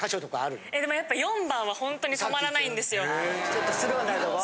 ちょっとスローなるとこ？